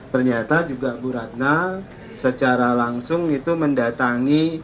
ternyata juga bu ratna secara langsung itu mendatangi